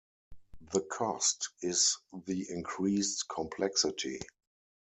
The cost is the increased complexity.